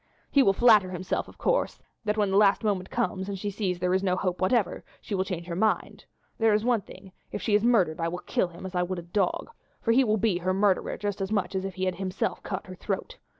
"He will flatter himself, of course, that when the last moment comes, and she sees that there is no hope whatever, she will change her mind. There is one thing, if she is murdered I will kill him as I would a dog, for he will be her murderer just as much as if he had himself cut her throat.